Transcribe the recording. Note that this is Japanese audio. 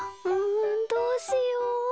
うんどうしよう。